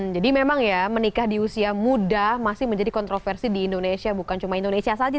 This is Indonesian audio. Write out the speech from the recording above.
jadi memang ya menikah di usia muda masih menjadi kontroversi di indonesia bukan cuma indonesia saja